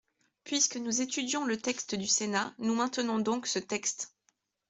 Puisque nous étudions le texte du Sénat, nous maintenons donc ce texte.